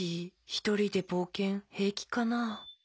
ひとりでぼうけんへいきかな。